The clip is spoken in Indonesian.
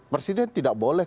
presiden tidak boleh